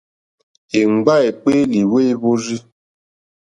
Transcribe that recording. Èmgbâ èkpéélì wêhwórzí.